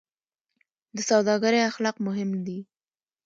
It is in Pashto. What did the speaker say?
د سوداګرۍ اخلاق مهم دي